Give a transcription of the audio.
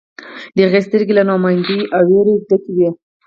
د هغې سترګې له نا امیدۍ او ویرې ډکې وې